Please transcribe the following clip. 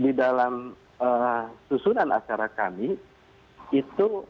di dalam susunan acara kami itu